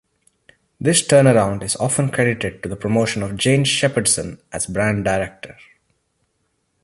This turnaround is often credited to the promotion of Jane Shepherdson as brand director.